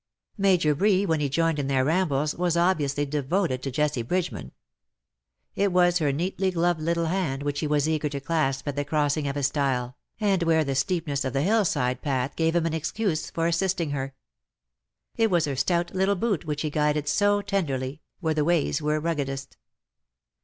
Major Bree when he joined in their rambles was obviously de voted to Jessie Bridgeman. It was her neatly gloved little hand which he was eager to clasp at the cross ing of a stilc; and where the steepness of the hill side path gave him an excuse for assisting her. It was her stout little boot which he guided so tenderly, where the ways were ruggedest.